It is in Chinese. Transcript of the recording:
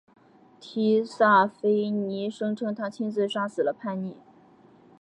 提萨斐尼声称他亲自杀死了叛逆。